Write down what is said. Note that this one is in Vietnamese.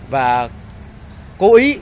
và cố ý